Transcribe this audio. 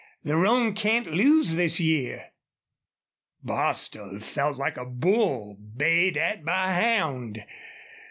The roan can't lose this year." Bostil felt like a bull bayed at by a hound.